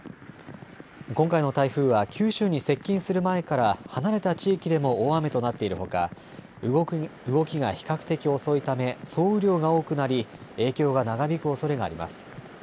今回の台風は九州に接近する前から離れた地域でも大雨となっているほか動きが比較的、遅いため総雨量が多くなり影響が長引くおそれがあります。